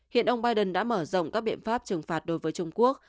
hiện ông biden đã mở rộng các biện pháp trừng phạt đối với trung quốc